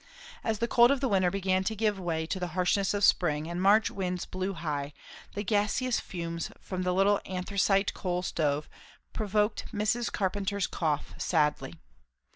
As the cold of the winter began to give way to the harshness of spring, and March winds blew high, the gaseous fumes from the little anthracite coal stove provoked Mrs. Carpenter's cough sadly.